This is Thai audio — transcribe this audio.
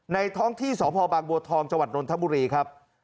ในท้องที่สภบังบัวทองจนธมุรีครับ